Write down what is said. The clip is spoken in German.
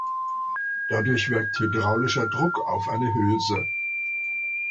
Dadurch wirkt hydraulischer Druck auf eine Hülse.